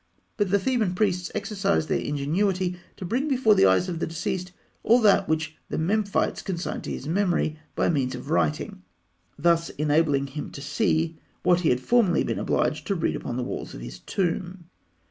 But the Theban priests exercised their ingenuity to bring before the eyes of the deceased all that which the Memphites consigned to his memory by means of writing, thus enabling him to see what he had formerly been obliged to read upon the walls of his tomb.